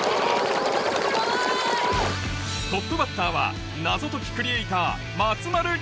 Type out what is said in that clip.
トップバッターは謎解きクリエイター